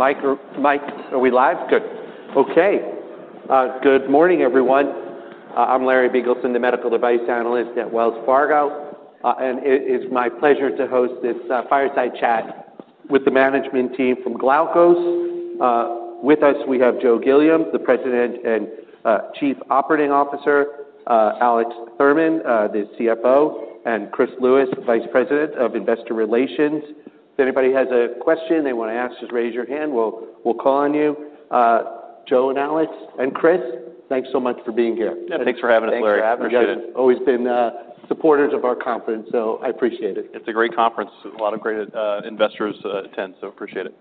Mike, are we live? Good. Okay. Good morning, everyone. I'm Larry Biegelsen, the Medical Device Analyst at Wells Fargo, and it is my pleasure to host this fireside chat with the management team from Glaukos. With us, we have Joe Gilliam, the President and Chief Operating Officer, Alex Thurman, the CFO, and Chris Lewis, Vice President of Investor Relations. If anybody has a question they want to ask, just raise your hand. We'll call on you. Joe and Alex and Chris, thanks so much for being here. Thanks for having us, Larry. Thanks for having us. Appreciate it. Always been supporters of our conference, so I appreciate it. It's a great conference. A lot of great investors attend, so appreciate it.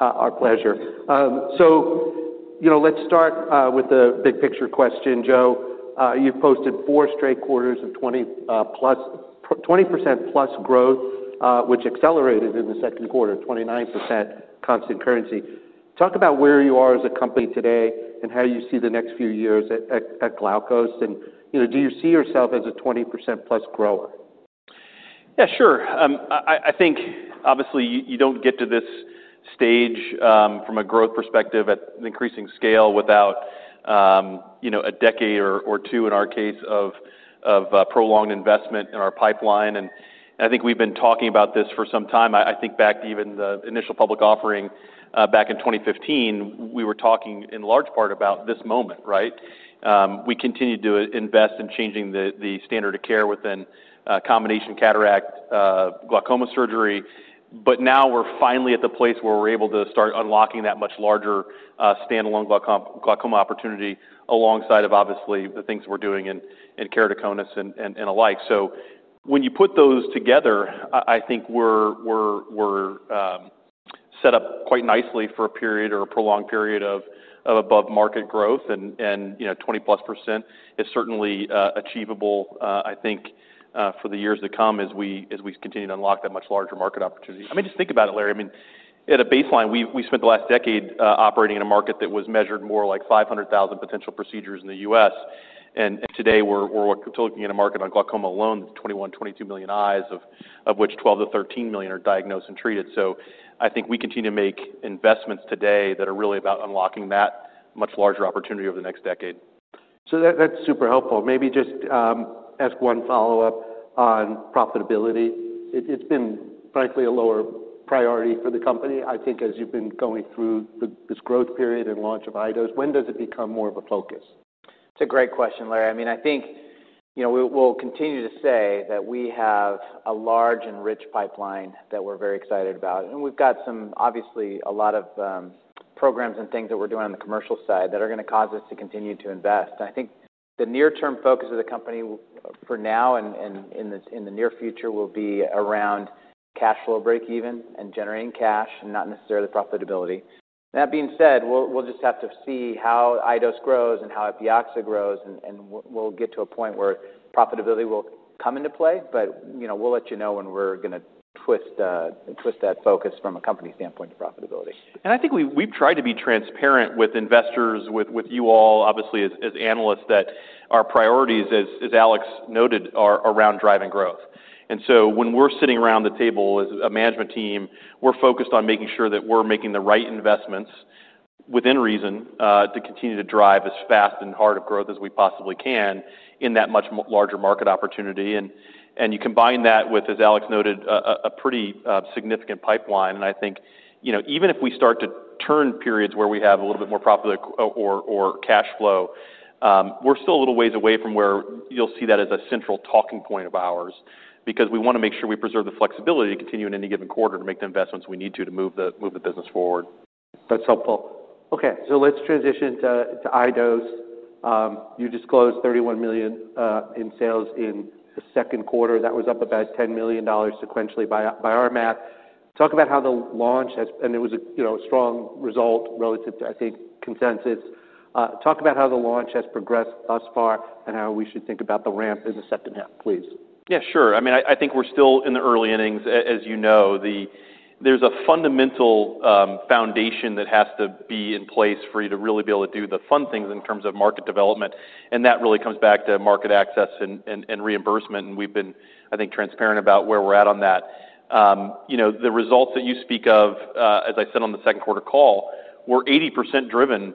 Our pleasure. So let's start with the big picture question, Joe. You've posted four straight quarters of 20%+ growth, which accelerated in the second quarter, 29% constant currency. Talk about where you are as a company today and how you see the next few years at Glaukos, and do you see yourself as a 20%+ grower? Yeah, sure. I think, obviously, you don't get to this stage from a growth perspective at increasing scale without a decade or two, in our case, of prolonged investment in our pipeline. And I think we've been talking about this for some time. I think back to even the initial public offering back in 2015, we were talking in large part about this moment, right? We continue to invest in changing the standard of care within combination cataract glaucoma surgery, but now we're finally at the place where we're able to start unlocking that much larger standalone glaucoma opportunity alongside of, obviously, the things we're doing in keratoconus and the like. So when you put those together, I think we're set up quite nicely for a period or a prolonged period of above-market growth, and 20%+ is certainly achievable, I think, for the years to come as we continue to unlock that much larger market opportunity. I mean, just think about it, Larry. I mean, at a baseline, we spent the last decade operating in a market that was measured more like 500,000 potential procedures in the U.S., and today we're looking at a market on glaucoma alone of 21 million-22 million eyes, of which 12 million-13 million are diagnosed and treated. So I think we continue to make investments today that are really about unlocking that much larger opportunity over the next decade. So that's super helpful. Maybe just ask one follow-up on profitability. It's been, frankly, a lower priority for the company. I think as you've been going through this growth period and launch of iDose TR, when does it become more of a focus? It's a great question, Larry. I mean, I think we'll continue to say that we have a large and rich pipeline that we're very excited about, and we've got some, obviously, a lot of programs and things that we're doing on the commercial side that are going to cause us to continue to invest. I think the near-term focus of the company for now and in the near future will be around cash flow break-even and generating cash and not necessarily profitability. That being said, we'll just have to see how iDose TR grows and how Epioxa grows, and we'll get to a point where profitability will come into play, but we'll let you know when we're going to twist that focus from a company standpoint to profitability. And I think we've tried to be transparent with investors, with you all, obviously, as analysts, that our priorities, as Alex noted, are around driving growth. And so when we're sitting around the table as a management team, we're focused on making sure that we're making the right investments within reason to continue to drive as fast and hard of growth as we possibly can in that much larger market opportunity. And you combine that with, as Alex noted, a pretty significant pipeline, and I think even if we start to turn periods where we have a little bit more profit or cash flow, we're still a little ways away from where you'll see that as a central talking point of ours because we want to make sure we preserve the flexibility to continue in any given quarter to make the investments we need to to move the business forward. That's helpful. Okay. So let's transition to iDose TR. You disclosed $31 million in sales in the second quarter. That was up about $10 million sequentially by our math. Talk about how the launch has, and it was a strong result relative to, I think, consensus. Talk about how the launch has progressed thus far and how we should think about the ramp in the second half, please. Yeah, sure. I mean, I think we're still in the early innings. As you know, there's a fundamental foundation that has to be in place for you to really be able to do the fun things in terms of market development, and that really comes back to market access and reimbursement, and we've been, I think, transparent about where we're at on that. The results that you speak of, as I said on the second quarter call, were 80% driven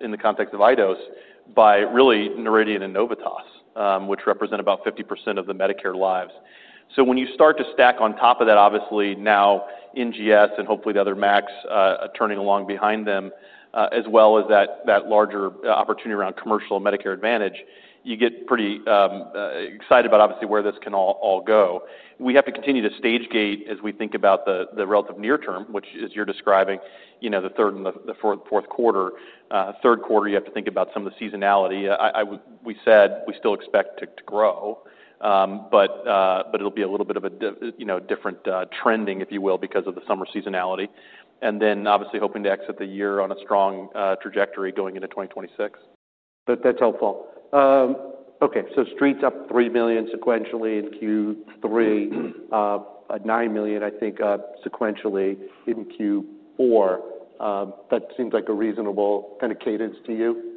in the context of iDose TR by really Noridian and Novitas, which represent about 50% of the Medicare lives. So when you start to stack on top of that, obviously, now NGS and hopefully the other MACs turning along behind them, as well as that larger opportunity around commercial Medicare Advantage, you get pretty excited about, obviously, where this can all go. We have to continue to stage gate as we think about the relative near term, which, as you're describing, the third and the fourth quarter. Third quarter, you have to think about some of the seasonality. We said we still expect to grow, but it'll be a little bit of a different trending, if you will, because of the summer seasonality, and then obviously hoping to exit the year on a strong trajectory going into 2026. That's helpful. Okay. So Street's up $3 million sequentially in Q3, $9 million, I think, sequentially in Q4. That seems like a reasonable kind of cadence to you?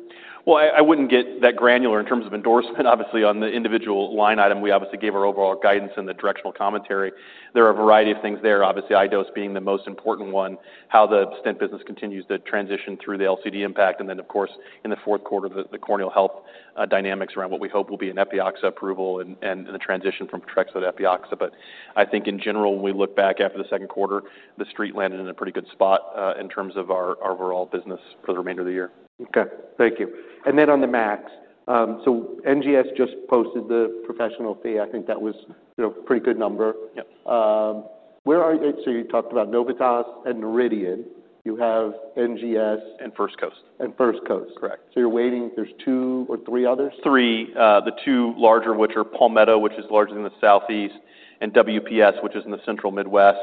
I wouldn't get that granular in terms of endorsement. Obviously, on the individual line item, we obviously gave our overall guidance and the directional commentary. There are a variety of things there, obviously, iDose being the most important one, how the stent business continues to transition through the LCD impact, and then, of course, in the fourth quarter, the corneal health dynamics around what we hope will be an Epioxa approval and the transition from Photrexa to Epioxa. But I think in general, when we look back after the second quarter, the street landed in a pretty good spot in terms of our overall business for the remainder of the year. Okay. Thank you. And then on the MACs, so NGS just posted the professional fee. I think that was a pretty good number. Yeah. So you talked about Novitas and Noridian. You have NGS. First Coast. First Coast. Correct. So, you're waiting? There's two or three others? Three. The two larger, which are Palmetto, which is largely in the Southeast, and WPS, which is in the Central Midwest,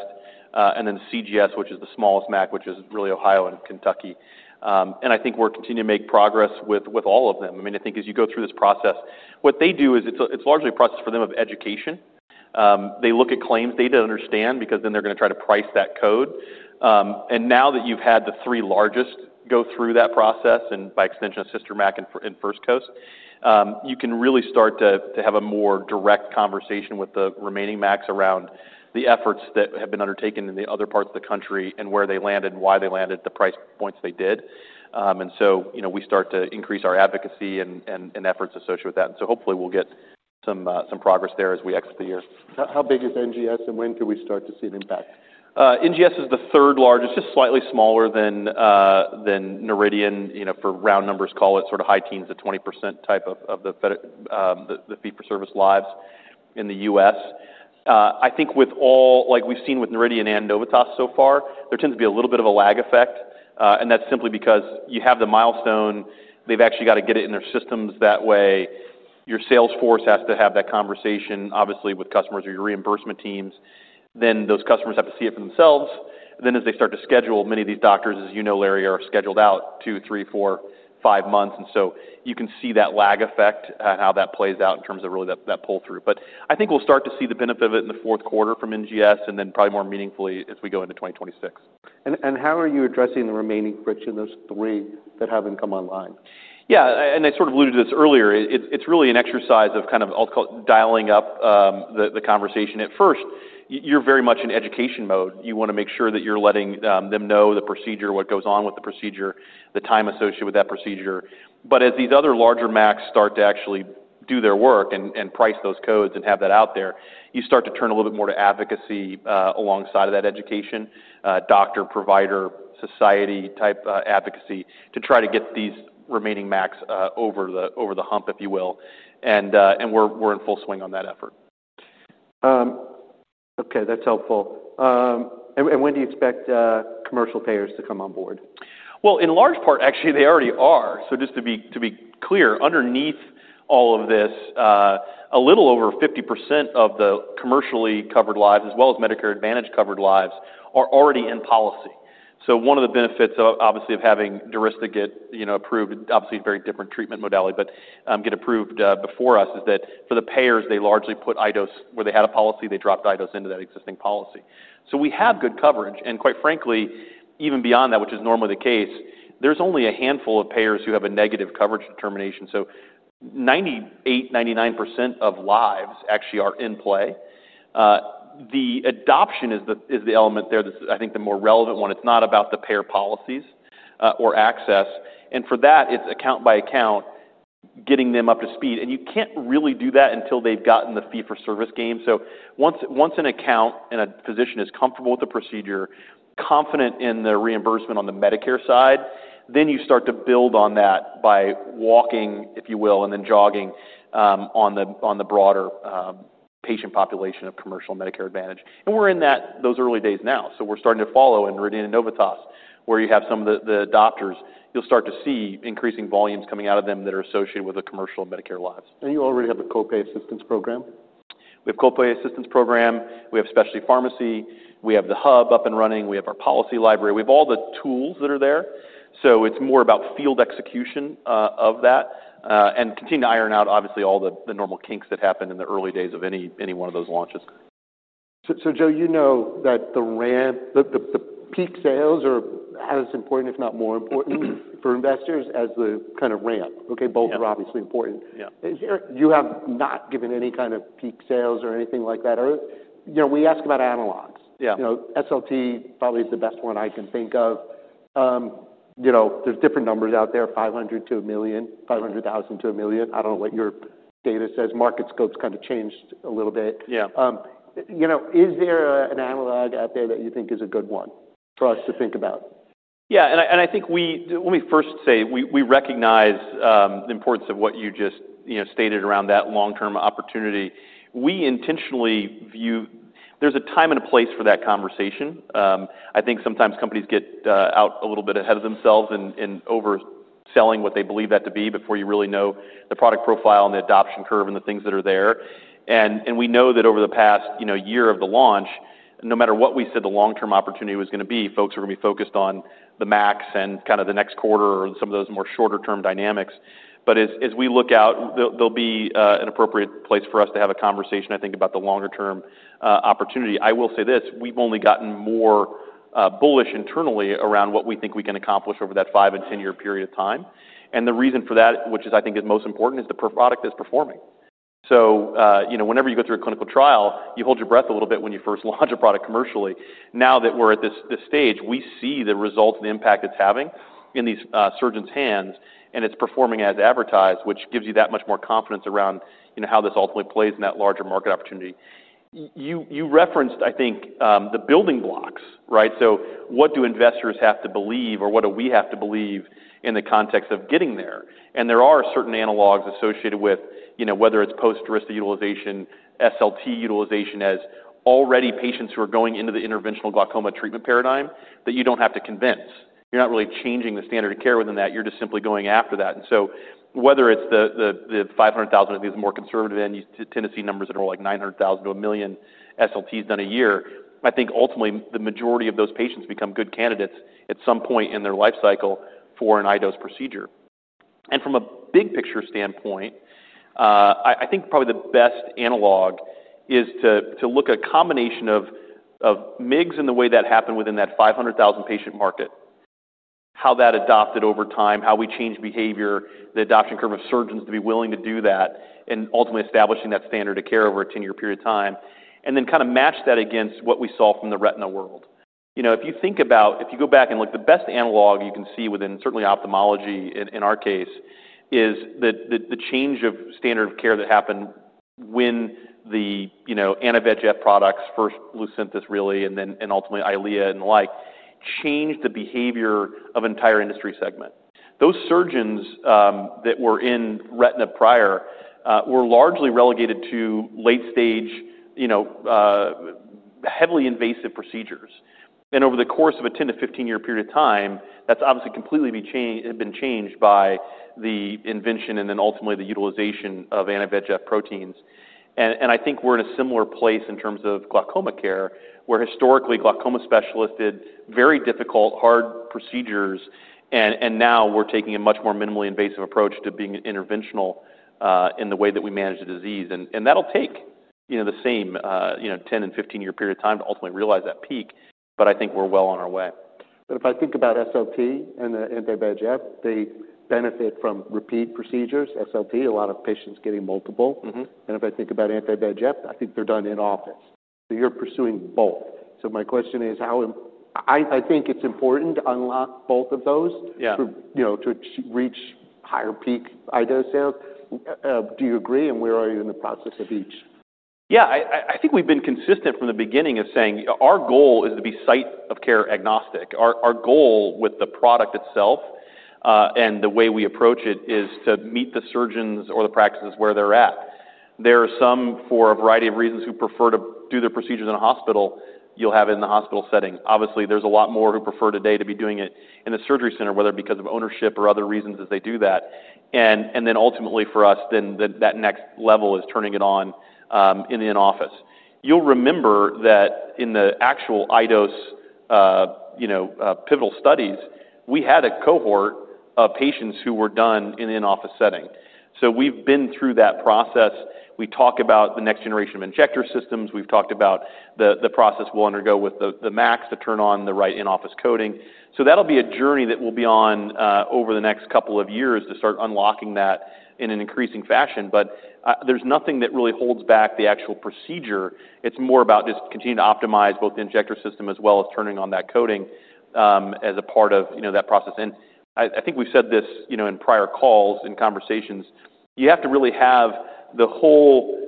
and then CGS, which is the smallest MAC, which is really Ohio and Kentucky. And I think we're continuing to make progress with all of them. I mean, I think as you go through this process, what they do is it's largely a process for them of education. They look at claims data to understand because then they're going to try to price that code. And now that you've had the three largest go through that process and by extension a sister MAC in First Coast, you can really start to have a more direct conversation with the remaining MACs around the efforts that have been undertaken in the other parts of the country and where they landed and why they landed the price points they did. And so we start to increase our advocacy and efforts associated with that. And so hopefully we'll get some progress there as we exit the year. How big is NGS and when can we start to see an impact? NGS is the third largest, just slightly smaller than Noridian. For round numbers, call it sort of high teens to 20% type of the fee-for-service lives in the U.S. I think with all we've seen with Noridian and Novitas so far, there tends to be a little bit of a lag effect, and that's simply because you have the milestone. They've actually got to get it in their systems that way. Your sales force has to have that conversation, obviously, with customers or your reimbursement teams. Then those customers have to see it for themselves. Then as they start to schedule, many of these doctors, as you know, Larry, are scheduled out two, three, four, five months, and so you can see that lag effect and how that plays out in terms of really that pull-through. But I think we'll start to see the benefit of it in the fourth quarter from NGS and then probably more meaningfully as we go into 2026. How are you addressing the remaining friction, those three that haven't come online? Yeah. And I sort of alluded to this earlier. It's really an exercise of kind of I'll call it dialing up the conversation. At first, you're very much in education mode. You want to make sure that you're letting them know the procedure, what goes on with the procedure, the time associated with that procedure. But as these other larger MACs start to actually do their work and price those codes and have that out there, you start to turn a little bit more to advocacy alongside of that education, doctor, provider, society type advocacy to try to get these remaining MACs over the hump, if you will. And we're in full swing on that effort. Okay. That's helpful. When do you expect commercial payers to come on board? In large part, actually, they already are. So just to be clear, underneath all of this, a little over 50% of the commercially covered lives, as well as Medicare Advantage covered lives, are already in policy. So one of the benefits, obviously, of having Durysta get approved, obviously a very different treatment modality, but get approved before us is that for the payers, they largely put iDose TR where they had a policy, they dropped iDose TR into that existing policy. So we have good coverage. And quite frankly, even beyond that, which is normally the case, there's only a handful of payers who have a negative coverage determination. So 98%-99% of lives actually are in play. The adoption is the element there that's, I think, the more relevant one. It's not about the payer policies or access. And for that, it's account by account getting them up to speed. And you can't really do that until they've gotten the fee-for-service game. So once an account and a physician is comfortable with the procedure, confident in the reimbursement on the Medicare side, then you start to build on that by walking, if you will, and then jogging on the broader patient population of commercial Medicare Advantage. And we're in those early days now. So we're starting to follow in Noridian and Novitas, where you have some of the doctors. You'll start to see increasing volumes coming out of them that are associated with the commercial Medicare lives. You already have a copay assistance program? We have copay assistance program. We have specialty pharmacy. We have the hub up and running. We have our policy library. We have all the tools that are there, so it's more about field execution of that and continue to iron out, obviously, all the normal kinks that happened in the early days of any one of those launches. So Joe, you know that the peak sales are as important, if not more important, for investors as the kind of ramp. Okay. Both are obviously important. You have not given any kind of peak sales or anything like that. We ask about analogs. SLT probably is the best one I can think of. There's different numbers out there, 500 to a million, 500,000 to a million. I don't know what your data says. Market Scope's kind of changed a little bit. Is there an analog out there that you think is a good one for us to think about? Yeah, and I think, let me first say, we recognize the importance of what you just stated around that long-term opportunity. We intentionally view there's a time and a place for that conversation. I think sometimes companies get out a little bit ahead of themselves and overselling what they believe that to be before you really know the product profile and the adoption curve and the things that are there. And we know that over the past year of the launch, no matter what we said the long-term opportunity was going to be, folks are going to be focused on the MACs and kind of the next quarter or some of those more shorter-term dynamics. But as we look out, there'll be an appropriate place for us to have a conversation, I think, about the longer-term opportunity. I will say this: we've only gotten more bullish internally around what we think we can accomplish over that five and 10-year period of time. And the reason for that, which I think is most important, is the product that's performing. So whenever you go through a clinical trial, you hold your breath a little bit when you first launch a product commercially. Now that we're at this stage, we see the results and the impact it's having in these surgeons' hands, and it's performing as advertised, which gives you that much more confidence around how this ultimately plays in that larger market opportunity. You referenced, I think, the building blocks, right? So what do investors have to believe or what do we have to believe in the context of getting there? And there are certain analogs associated with whether it's post-Durysta utilization, SLT utilization as already patients who are going into the interventional glaucoma treatment paradigm that you don't have to convince. You're not really changing the standard of care within that. You're just simply going after that. And so whether it's the 500,000 of these more conservative end, you tend to see numbers that are like 900,000 to a million SLTs done a year. I think ultimately the majority of those patients become good candidates at some point in their life cycle for an iDose TR procedure. From a big picture standpoint, I think probably the best analog is to look at a combination MIGS and the way that happened within that 500,000 patient market, how that adopted over time, how we changed behavior, the adoption curve of surgeons to be willing to do that, and ultimately establishing that standard of care over a ten-year period of time, and then kind of match that against what we saw from the retina world. If you think about if you go back and look, the best analog you can see within certainly ophthalmology in our case is the change of standard of care that happened when the anti-VEGF products, first Lucentis really, and then ultimately Eylea and the like, changed the behavior of an entire industry segment. Those surgeons that were in retina prior were largely relegated to late-stage, heavily invasive procedures. And over the course of a 10-15 year-period of time, that's obviously completely been changed by the invention and then ultimately the utilization of anti-VEGF proteins. And I think we're in a similar place in terms of glaucoma care where historically glaucoma specialists did very difficult, hard procedures, and now we're taking a much more minimally invasive approach to being interventional in the way that we manage the disease. And that'll take the same 10-15 year-period of time to ultimately realize that peak, but I think we're well on our way. But if I think about SLT and the Anti-VEGF, they benefit from repeat procedures, SLT, a lot of patients getting multiple. And if I think about Anti-VEGF, I think they're done in office. So you're pursuing both. So my question is, how I think it's important to unlock both of those to reach higher peak eye dose sales. Do you agree? And where are you in the process of each? Yeah. I think we've been consistent from the beginning of saying our goal is to be site-of-care agnostic. Our goal with the product itself and the way we approach it is to meet the surgeons or the practices where they're at. There are some for a variety of reasons who prefer to do their procedures in a hospital. You'll have it in the hospital setting. Obviously, there's a lot more who prefer today to be doing it in the surgery center, whether because of ownership or other reasons as they do that. And then ultimately for us, then that next level is turning it on in the in-office. You'll remember that in the actual iDose pivotal studies, we had a cohort of patients who were done in the in-office setting. So we've been through that process. We talk about the next generation of injector systems. We've talked about the process we'll undergo with the MACs to turn on the right in-office coding. So that'll be a journey that we'll be on over the next couple of years to start unlocking that in an increasing fashion. But there's nothing that really holds back the actual procedure. It's more about just continuing to optimize both the injector system as well as turning on that coding as a part of that process. And I think we've said this in prior calls and conversations. You have to really have the whole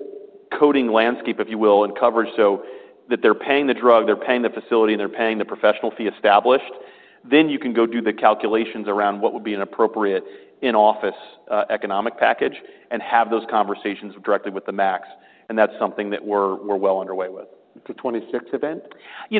coding landscape, if you will, and coverage so that they're paying the drug, they're paying the facility, and they're paying the professional fee established. Then you can go do the calculations around what would be an appropriate in-office economic package and have those conversations directly with the MACs. And that's something that we're well underway with. It's a 26 event?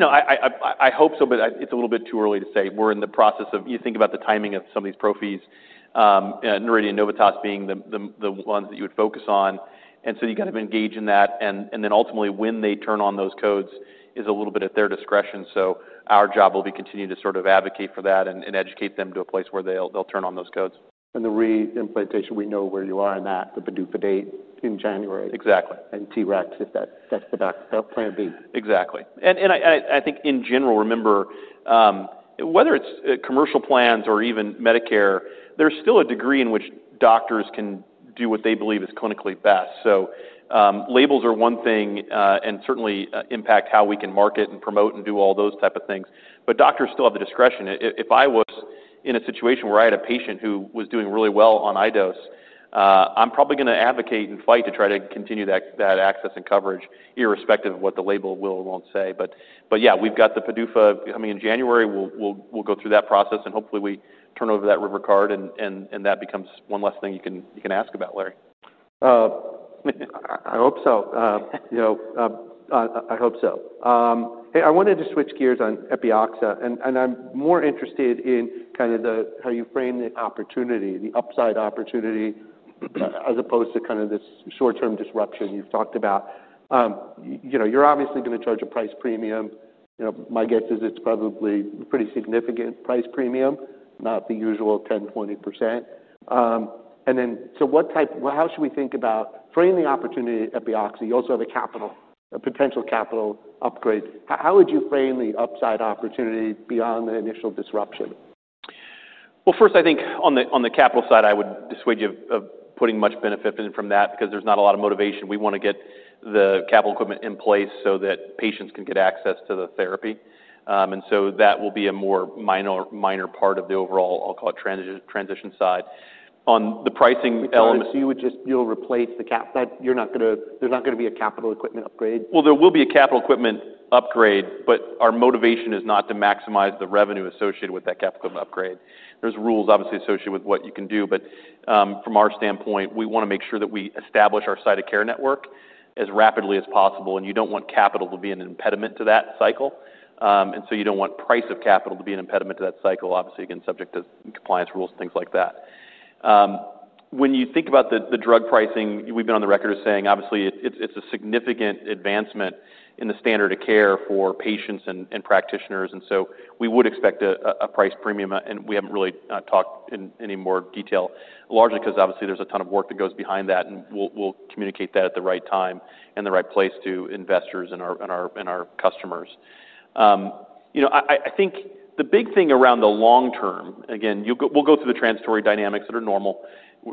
I hope so, but it's a little bit too early to say. We're in the process of you think about the timing of some of these policies, Noridian and Novitas being the ones that you would focus on, and so you kind of engage in that, and then ultimately when they turn on those codes is a little bit at their discretion, so our job will be to continue to sort of advocate for that and educate them to a place where they'll turn on those codes. The reimplantation, we know where you are in that, the PDUFA date in January. Exactly. TREX if that's the plan B. Exactly. And I think in general, remember whether it's commercial plans or even Medicare, there's still a degree in which doctors can do what they believe is clinically best. So labels are one thing and certainly impact how we can market and promote and do all those type of things. But doctors still have the discretion. If I was in a situation where I had a patient who was doing really well on iDose, I'm probably going to advocate and fight to try to continue that access and coverage irrespective of what the label will or won't say. But yeah, we've got the PDUFA coming in January. We'll go through that process and hopefully we turn over that river card and that becomes one less thing you can ask about, Larry. I hope so. I hope so. Hey, I wanted to switch gears on Epioxa. I'm more interested in kind of how you frame the opportunity, the upside opportunity as opposed to kind of this short-term disruption you've talked about. You're obviously going to charge a price premium. My guess is it's probably a pretty significant price premium, not the usual 10%, 20%. Then so what type how should we think about framing the opportunity at Epioxa. You also have a capital, a potential capital upgrade. How would you frame the upside opportunity beyond the initial disruption? First, I think on the capital side, I would dissuade you of putting much benefit from that because there's not a lot of motivation. We want to get the capital equipment in place so that patients can get access to the therapy, and so that will be a more minor part of the overall, I'll call it transition side on the pricing element. You would just replace the cap that you're not going to. There's not going to be a capital equipment upgrade? There will be a capital equipment upgrade, but our motivation is not to maximize the revenue associated with that capital equipment upgrade. There's rules obviously associated with what you can do. But from our standpoint, we want to make sure that we establish our site of care network as rapidly as possible. And you don't want capital to be an impediment to that cycle. And so you don't want price of capital to be an impediment to that cycle, obviously again, subject to compliance rules and things like that. When you think about the drug pricing, we've been on the record as saying obviously it's a significant advancement in the standard of care for patients and practitioners. And so we would expect a price premium. And we haven't really talked in any more detail, largely because obviously there's a ton of work that goes behind that. We'll communicate that at the right time and the right place to investors and our customers. I think the big thing around the long term, again, we'll go through the transitory dynamics that are normal.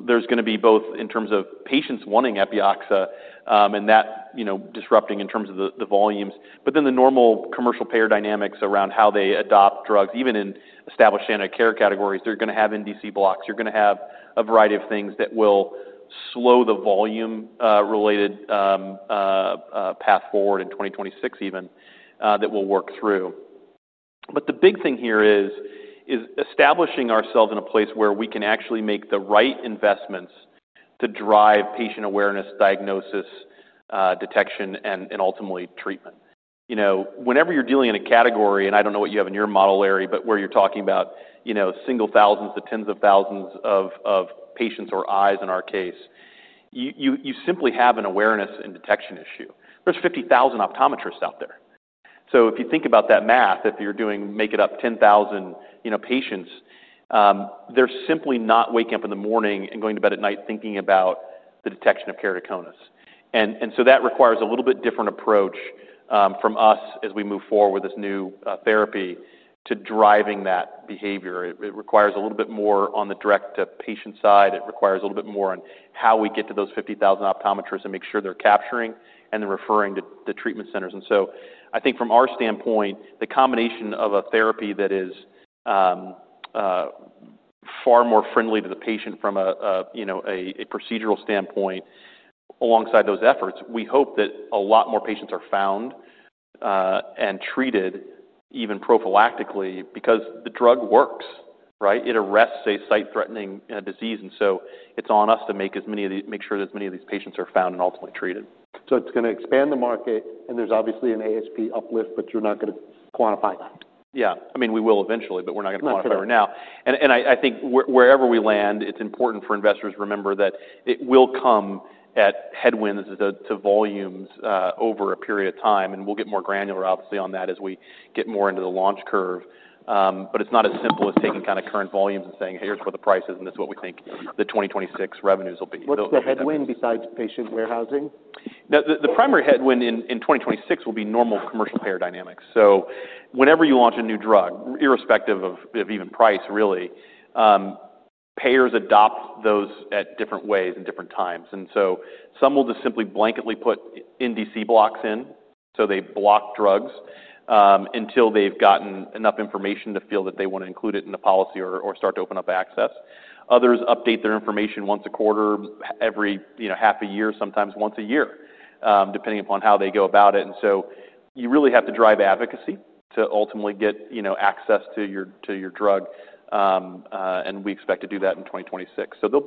There's going to be both in terms of patients wanting Epioxa and that disrupting in terms of the volumes. Then the normal commercial payer dynamics around how they adopt drugs, even in established standard of care categories, they're going to have NDC blocks. You're going to have a variety of things that will slow the volume-related path forward in 2026 even that will work through. The big thing here is establishing ourselves in a place where we can actually make the right investments to drive patient awareness, diagnosis, detection, and ultimately treatment. Whenever you're dealing in a category, and I don't know what you have in your model, Larry, but where you're talking about single thousands to tens of thousands of patients or eyes in our case, you simply have an awareness and detection issue. There's 50,000 optometrists out there. So if you think about that math, if you're doing make it up, 10,000 patients, they're simply not waking up in the morning and going to bed at night thinking about the detection of keratoconus. And so that requires a little bit different approach from us as we move forward with this new therapy to driving that behavior. It requires a little bit more on the direct-to-patient side. It requires a little bit more on how we get to those 50,000 optometrists and make sure they're capturing and then referring to the treatment centers. And so I think from our standpoint, the combination of a therapy that is far more friendly to the patient from a procedural standpoint alongside those efforts, we hope that a lot more patients are found and treated even prophylactically because the drug works, right? It arrests a sight-threatening disease. And so it's on us to make sure as many of these patients are found and ultimately treated. So it's going to expand the market and there's obviously an ASP uplift, but you're not going to quantify that. Yeah. I mean, we will eventually, but we're not going to quantify right now. And I think wherever we land, it's important for investors to remember that it will come at headwinds to volumes over a period of time. And we'll get more granular obviously on that as we get more into the launch curve. But it's not as simple as taking kind of current volumes and saying, "Hey, here's what the price is and this is what we think the 2026 revenues will be. What's the headwind besides patient warehousing? The primary headwind in 2026 will be normal commercial payer dynamics. So whenever you launch a new drug, irrespective of even price really, payers adopt those at different ways and different times. And so some will just simply blanketly put NDC blocks in. So they block drugs until they've gotten enough information to feel that they want to include it in the policy or start to open up access. Others update their information once a quarter, every half a year, sometimes once a year, depending upon how they go about it. And so you really have to drive advocacy to ultimately get access to your drug. And we expect to do that in 2026. So there'll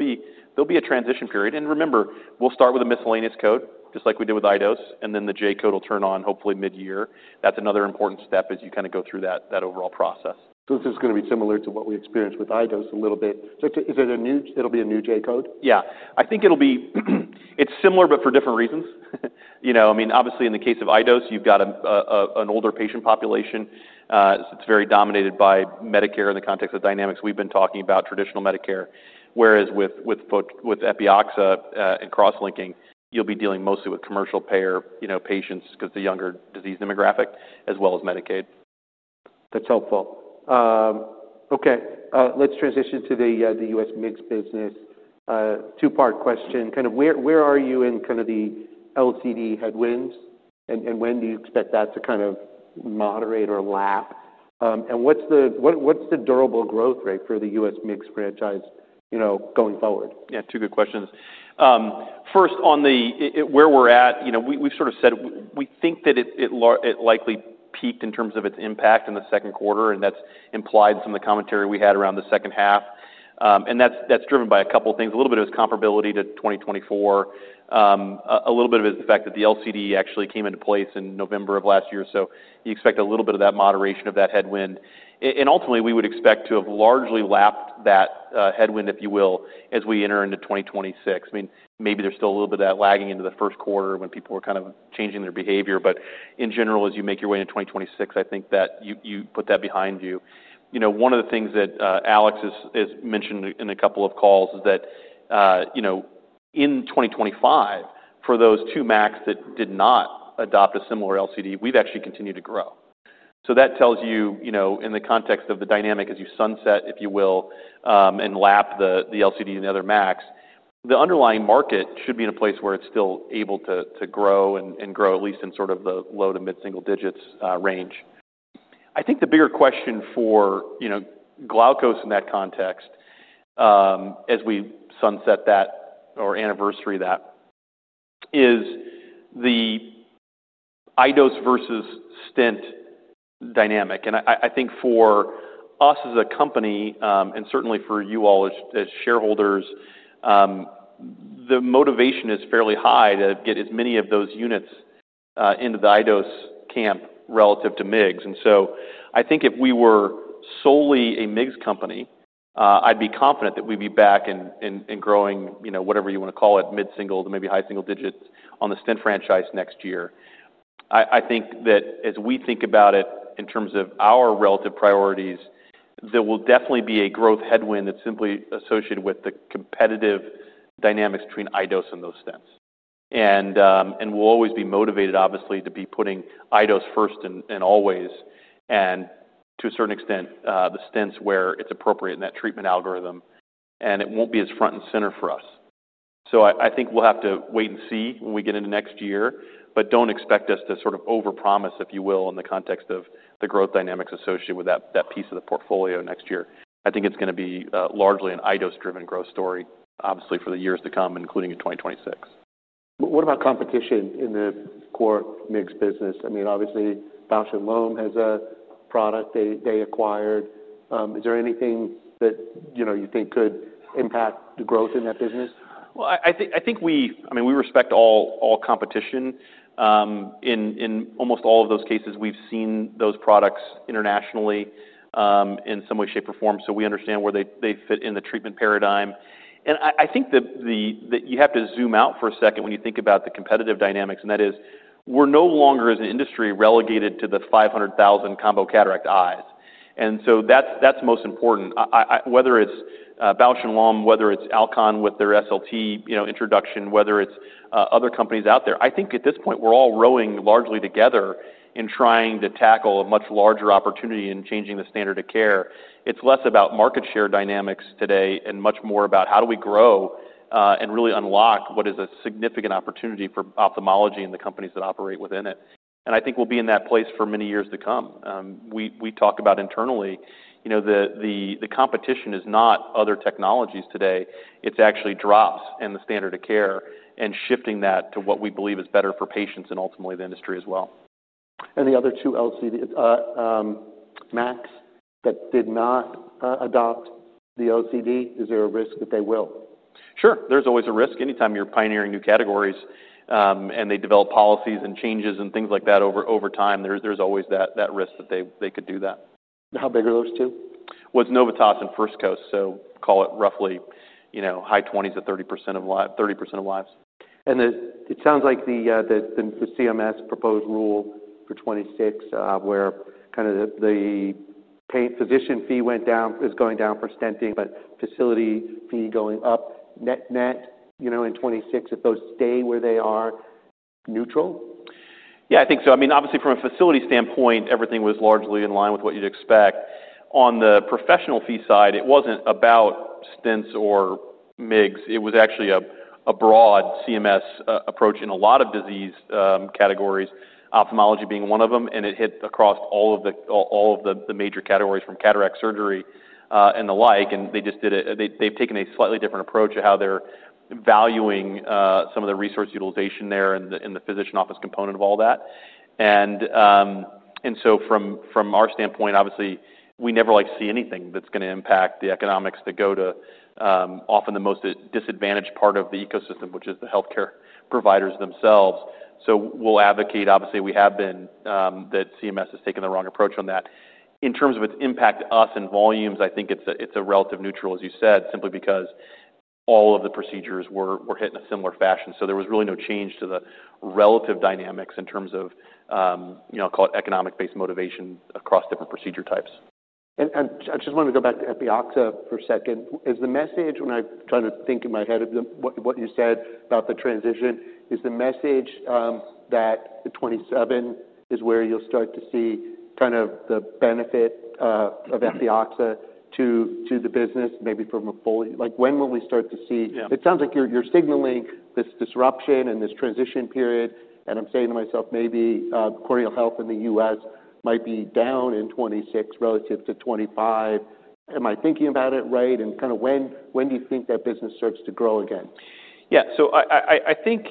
be a transition period. And remember, we'll start with a miscellaneous code just like we did with iDose. And then the J-code will turn on hopefully mid-year. That's another important step as you kind of go through that overall process. So this is going to be similar to what we experienced with iDose a little bit. Is it a new? It'll be a new J-code? Yeah. I think it'll be, it's similar, but for different reasons. I mean, obviously in the case of iDose, you've got an older patient population. It's very dominated by Medicare in the context of dynamics. We've been talking about traditional Medicare. Whereas with Epioxa and cross-linking, you'll be dealing mostly with commercial payer patients because of the younger disease demographic as well as Medicaid. That's helpful. Okay. Let's transition to the MIGS business. Two-part question. Kind of where are you in kind of the LCD headwinds and when do you expect that to kind of moderate or lap? And what's the durable growth rate for the MIGS franchise going forward? Yeah. Two good questions. First, on where we're at, we've sort of said we think that it likely peaked in terms of its impact in the second quarter. And that's implied from the commentary we had around the second half. And that's driven by a couple of things. A little bit of its comparability to 2024. A little bit of the fact that the LCD actually came into place in November of last year. So you expect a little bit of that moderation of that headwind. And ultimately, we would expect to have largely lapped that headwind, if you will, as we enter into 2026. I mean, maybe there's still a little bit of that lagging into the first quarter when people are kind of changing their behavior. But in general, as you make your way into 2026, I think that you put that behind you. One of the things that Alex has mentioned in a couple of calls is that in 2025, for those two MACs that did not adopt a similar LCD, we've actually continued to grow. So that tells you in the context of the dynamic as you sunset, if you will, and lap the LCD and the other MACs, the underlying market should be in a place where it's still able to grow and grow at least in sort of the low to mid-single digits range. I think the bigger question for Glaukos in that context as we sunset that or anniversary that is the iDose versus iStent dynamic. And I think for us as a company and certainly for you all as shareholders, the motivation is fairly high to get as many of those units into the iDose camp relative to MIGS. And so I think if we were solely MIGS company, I'd be confident that we'd be back and growing whatever you want to call it, mid-single to maybe high single digits on the stent franchise next year. I think that as we think about it in terms of our relative priorities, there will definitely be a growth headwind that's simply associated with the competitive dynamics between iDose and those stents. And we'll always be motivated, obviously, to be putting iDose first and always and to a certain extent the stents where it's appropriate in that treatment algorithm. And it won't be as front and center for us. So I think we'll have to wait and see when we get into next year. But don't expect us to sort of overpromise, if you will, in the context of the growth dynamics associated with that piece of the portfolio next year. I think it's going to be largely an iDose-driven growth story, obviously for the years to come, including in 2026. What about competition in the MIGS business? I mean, obviously Bausch + Lomb has a product they acquired. Is there anything that you think could impact the growth in that business? I think we, I mean, we respect all competition. In almost all of those cases, we've seen those products internationally in some way, shape, or form. So we understand where they fit in the treatment paradigm. I think that you have to zoom out for a second when you think about the competitive dynamics. That is we're no longer as an industry relegated to the 500,000 combo cataract eyes. So that's most important. Whether it's Bausch + Lomb, whether it's Alcon with their SLT introduction, whether it's other companies out there, I think at this point we're all rowing largely together in trying to tackle a much larger opportunity in changing the standard of care. It's less about market share dynamics today and much more about how do we grow and really unlock what is a significant opportunity for ophthalmology and the companies that operate within it. I think we'll be in that place for many years to come. We talk about internally, the competition is not other technologies today. It's actually drops and the standard of care and shifting that to what we believe is better for patients and ultimately the industry as well. The other two LCD MACs that did not adopt the LCD, is there a risk that they will? Sure. There's always a risk. Anytime you're pioneering new categories and they develop policies and changes and things like that over time, there's always that risk that they could do that. How big are those two? It's Novitas and First Coast. Call it roughly high 20s of 30% of lives. And it sounds like the CMS proposed rule for 2026 where kind of the physician fee went down is going down for stenting, but facility fee going up net in 2026. If those stay where they are, neutral? Yeah, I think so. I mean, obviously from a facility standpoint, everything was largely in line with what you'd expect. On the professional fee side, it wasn't about stents MIGS. It was actually a broad CMS approach in a lot of disease categories, ophthalmology being one of them, and it hit across all of the major categories from cataract surgery and the like, and they just, they've taken a slightly different approach to how they're valuing some of the resource utilization there and the physician office component of all that, and so from our standpoint, obviously, we never see anything that's going to impact the economics that go to, often, the most disadvantaged part of the ecosystem, which is the healthcare providers themselves, so we'll advocate, obviously we have been, that CMS has taken the wrong approach on that. In terms of its impact to us in volumes, I think it's a relative neutral, as you said, simply because all of the procedures were hit in a similar fashion. So there was really no change to the relative dynamics in terms of, I'll call it, economic-based motivation across different procedure types. And I just wanted to go back to Epioxa for a second. Is the message, when I'm trying to think in my head of what you said about the transition, is the message that the 2027 is where you'll start to see kind of the benefit of Epioxa to the business maybe from a fully when will we start to see it sounds like you're signaling this disruption and this transition period. And I'm saying to myself, maybe corneal health in the US might be down in 2026 relative to 2025. Am I thinking about it right? And kind of when do you think that business starts to grow again? Yeah. So I think,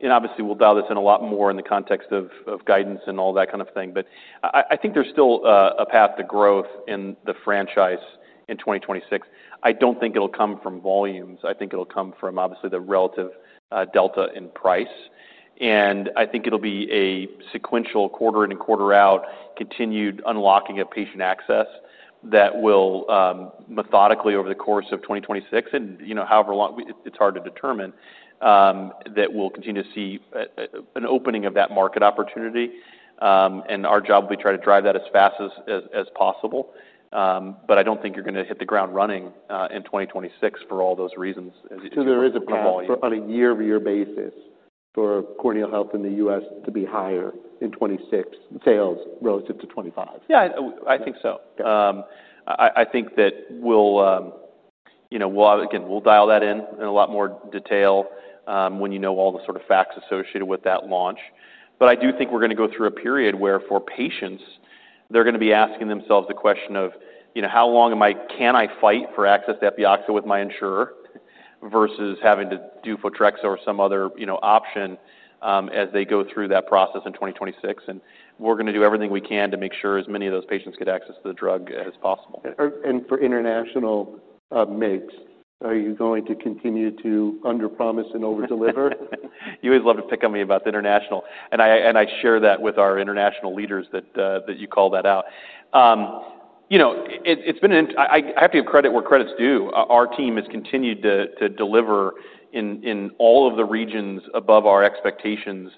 and obviously we'll dial this in a lot more in the context of guidance and all that kind of thing. But I think there's still a path to growth in the franchise in 2026. I don't think it'll come from volumes. I think it'll come from obviously the relative delta in price. And I think it'll be a sequential quarter in and quarter out continued unlocking of patient access that will methodically over the course of 2026 and however long it's hard to determine that we'll continue to see an opening of that market opportunity. And our job will be to try to drive that as fast as possible. But I don't think you're going to hit the ground running in 2026 for all those reasons. So there is a problem on a year-to-year basis for corneal health in the U.S. to be higher in 2026 sales relative to 2025. Yeah, I think so. I think that we'll, again, we'll dial that in in a lot more detail when you know all the sort of facts associated with that launch. But I do think we're going to go through a period where for patients, they're going to be asking themselves the question of, "How long can I fight for access to Epioxa with my insurer versus having to do Photrexa or some other option as they go through that process in 2026?" And we're going to do everything we can to make sure as many of those patients get access to the drug as possible. For MIGS, are you going to continue to underpromise and overdeliver? You always love to pick on me about the international, and I share that with our international leaders that you call that out. It's been. And I have to give credit where credit's due. Our team has continued to deliver in all of the regions above our expectations.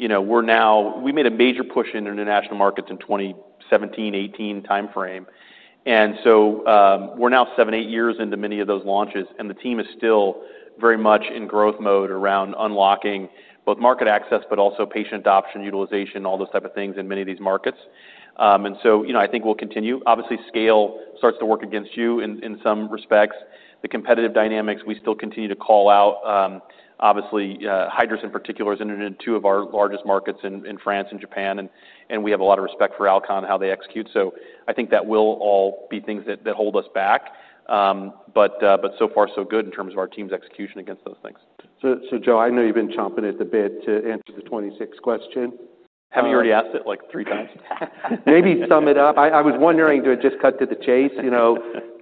We made a major push in international markets in 2017, 2018 timeframe, and so we're now seven, eight years into many of those launches, and the team is still very much in growth mode around unlocking both market access, but also patient adoption utilization, all those types of things in many of these markets, and so I think we'll continue. Obviously, scale starts to work against you in some respects. The competitive dynamics, we still continue to call out. Obviously, Hydrus in particular is entered into two of our largest markets in France and Japan. And we have a lot of respect for Alcon and how they execute. So I think that will all be things that hold us back. But so far, so good in terms of our team's execution against those things. So Joe, I know you've been chomping at the bit to answer the '26 question. Have you already asked it like three times? Maybe sum it up. I was wondering to just cut to the chase.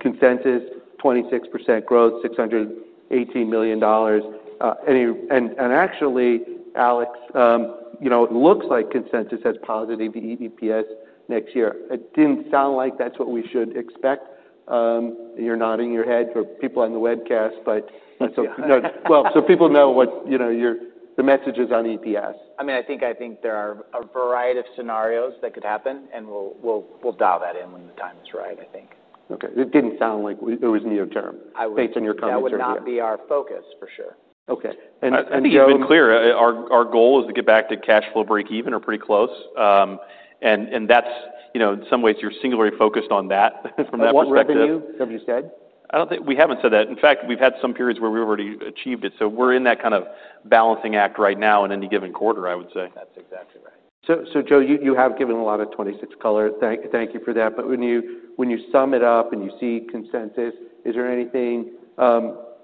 Consensus, 26% growth, $618 million. And actually, Alex, it looks like consensus has positive EPS next year. It didn't sound like that's what we should expect. You're nodding your head for people on the webcast, but. Yeah. Well, so people know what the message is on EPS. I mean, I think there are a variety of scenarios that could happen, and we'll dial that in when the time is right, I think. Okay. It didn't sound like it was near-term based on your commentary there. That would not be our focus for sure. Okay. And Joe. I think it's been clear. Our goal is to get back to cash flow break-even or pretty close, and that's, in some ways, you're singularly focused on that from that perspective. What revenue have you said? We haven't said that. In fact, we've had some periods where we've already achieved it. So we're in that kind of balancing act right now in any given quarter, I would say. That's exactly right. So, Joe, you have given a lot of 2026 color. Thank you for that. But when you sum it up and you see consensus, is there anything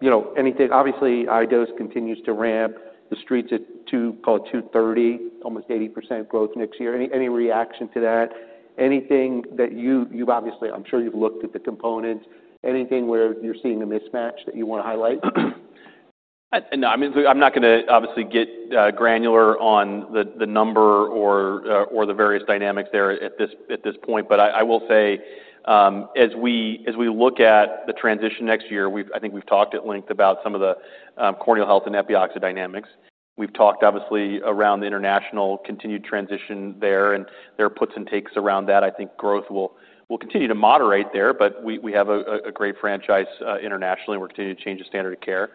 obviously, iDose continues to ramp. The Street's at, call it, 230, almost 80% growth next year. Any reaction to that? Anything that you've obviously, I'm sure you've looked at the components. Anything where you're seeing a mismatch that you want to highlight? No. I mean, I'm not going to obviously get granular on the number or the various dynamics there at this point. But I will say, as we look at the transition next year, I think we've talked at length about some of the corneal health and Epioxa dynamics. We've talked, obviously, around the international continued transition there and their puts and takes around that. I think growth will continue to moderate there. But we have a great franchise internationally, and we're continuing to change the standard of care.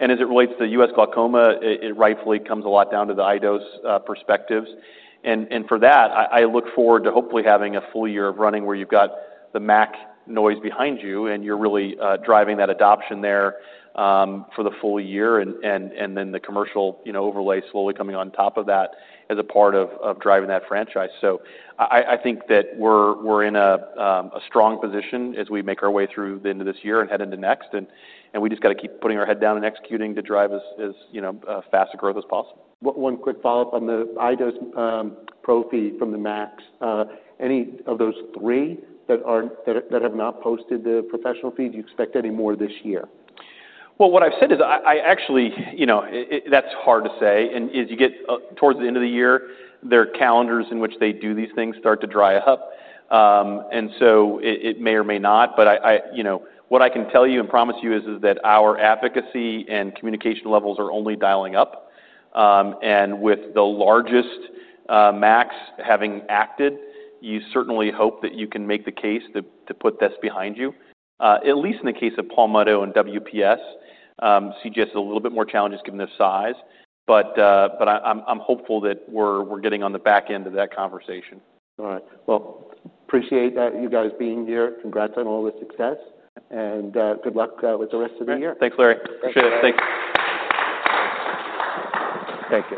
And as it relates to the U.S. glaucoma, it rightfully comes a lot down to the iDose perspectives. And for that, I look forward to hopefully having a full year of running where you've got the MAC noise behind you, and you're really driving that adoption there for the full year. And then the commercial overlay slowly coming on top of that as a part of driving that franchise. So I think that we're in a strong position as we make our way through the end of this year and head into next. And we just got to keep putting our head down and executing to drive as fast a growth as possible. One quick follow-up on the iDose pro fee from the MACs. Any of those three that have not posted the professional fee? Do you expect any more this year? Well, what I've said is I actually, that's hard to say. And as you get towards the end of the year, their calendars in which they do these things start to dry up. And so it may or may not. But what I can tell you and promise you is that our advocacy and communication levels are only dialing up. And with the largest MACs having acted, you certainly hope that you can make the case to put this behind you. At least in the case of Palmetto and WPS, CGS is a little bit more challenging given their size. But I'm hopeful that we're getting on the back end of that conversation. All right. Well, appreciate you guys being here. Congrats on all the success. And good luck with the rest of the year. Thanks, Larry. Appreciate it. Thanks. Thank you.